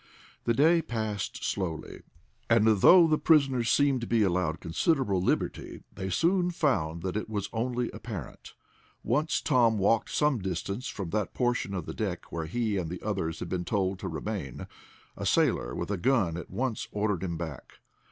The day passed slowly, and though the prisoners seemed to be allowed considerable liberty, they soon found that it was only apparent. Once Tom walked some distance from that portion of the deck where he and the others had been told to remain. A sailor with a gun at once ordered him back.